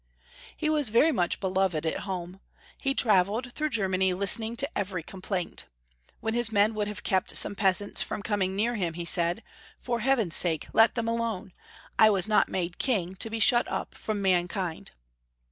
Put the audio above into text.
He was very much beloved at home. He trav eled through Germany listening to every com plaint. When his men would have kept some peasants from coming near him, he said, "For Heaven's sake let them alone. I was not made King to be shut up from mankind."